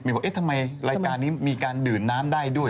บอกเอ๊ะทำไมรายการนี้มีการดื่มน้ำได้ด้วย